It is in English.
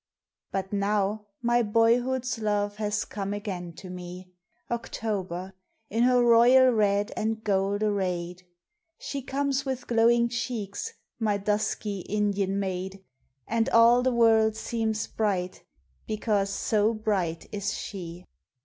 But now my boyhood's love has come again to me, October in her royal red and gold arrayed! She comes with glowing cheeks, my dusky Indian maid, And all the world seems bright because so bright is she.